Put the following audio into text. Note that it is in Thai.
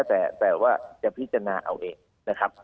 แต่ว่าจะพิจารณาเอาเองนะครับ